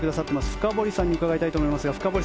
深堀さんに伺いたいと思いますが深堀